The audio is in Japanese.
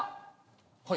はい。